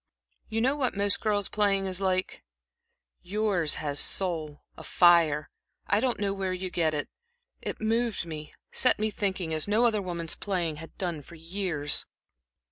"You know what most girls' playing is like. Yours has a soul, a fire I don't know where you get it. It moved me, set me thinking, as no other woman's playing has done for years."